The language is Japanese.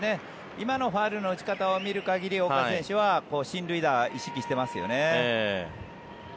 今のファウルの打ち方を見る限り岡選手は進塁打を意識してますよね。